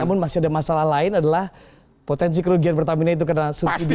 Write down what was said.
namun masih ada masalah lain adalah potensi kerugian pertamina itu karena subsidi